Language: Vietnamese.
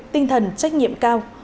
tinh thần trách nhiệm cao